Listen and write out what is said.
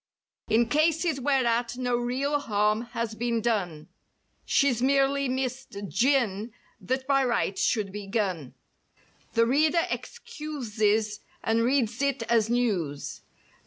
In cases whereat no real harm has been done— She's merely missed "gin" that by right should be "gun," The reader excuses and reads it as news.